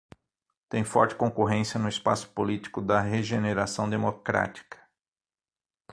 Tem forte concorrência no espaço político da regeneração democrática.